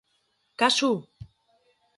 Kasu!